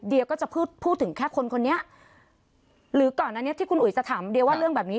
เดี๋ยวก็จะพูดพูดถึงแค่คนคนนี้หรือก่อนอันนี้ที่คุณอุ๋ยจะถามเดียว่าเรื่องแบบนี้